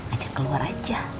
ajar keluar aja